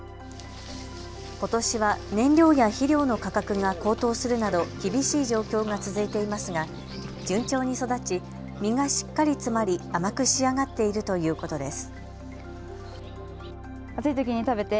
ことしは燃料や肥料の価格が高騰するなど、厳しい状況が続いていますが順調に育ち実がしっかり詰まり甘く仕上がっているということです。